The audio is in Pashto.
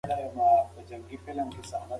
په ټولنه کې د خیر خپرول د هر فرد وظیفه ده.